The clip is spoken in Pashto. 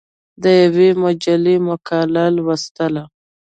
د یوې مجلې مقاله لوستله.